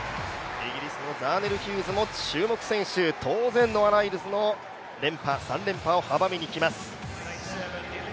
イギリスのザーネル・ヒューズも注目選手、当然、ノア・ライルズの連覇を阻みにきます。